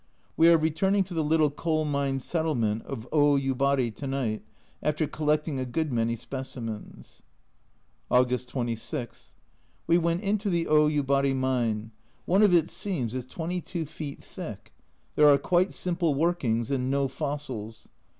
We are returning to the little coal mine settlement of Oyubari to night, after collecting a good many specimens. August 26. We went into the Oyubari mine. One of its seams is 22 feet thick. There are quite simple workings, and no fossils.